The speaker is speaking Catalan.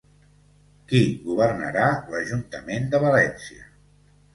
Qui governarà l'Ajuntament de València?